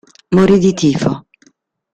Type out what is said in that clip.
Morì di tifo.